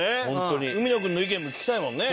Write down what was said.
海野君の意見も聞きたいもんね。